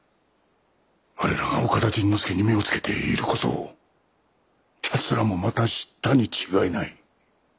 我らが岡田甚之助に目をつけている事をきゃつらもまた知ったに違いない。